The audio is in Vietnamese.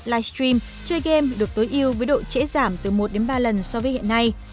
livestream chơi game được tối ưu với độ trễ giảm từ một ba lần so với hiện nay